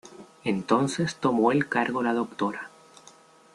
Entonces tomó el cargo la Dra.